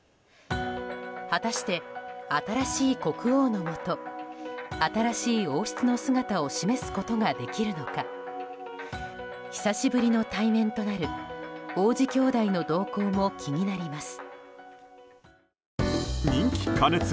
果たして、新しい国王のもと新しい王室の姿を示すことができるのか久しぶりの対面となる王子兄弟の動向も気になります。